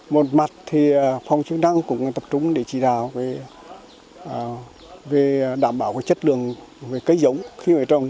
một mặt phòng chức năng cũng tập trung để chỉ đào về đảm bảo chất lượng cây giống khi người trồng